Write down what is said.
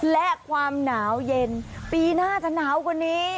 และความหนาวเย็นปีหน้าจะหนาวกว่านี้